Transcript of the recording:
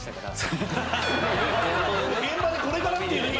現場でこれからっていうときに！？